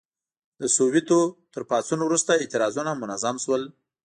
د سووېتو تر پاڅون وروسته اعتراضونه منظم شول.